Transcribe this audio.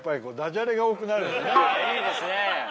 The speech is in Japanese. いいですね。